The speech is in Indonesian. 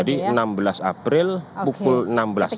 jadi enam belas april pukul enam belas siapapun